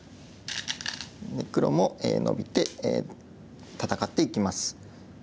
黒もノビて戦っていきます。